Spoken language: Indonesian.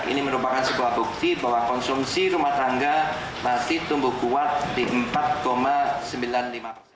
ini merupakan sebuah bukti bahwa konsumsi rumah tangga masih tumbuh kuat di empat sembilan puluh lima persen